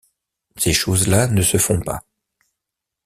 Ces choses-là ne se font pas.